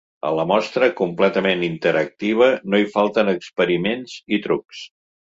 A la mostra, completament interactiva, no hi falten experiments i trucs.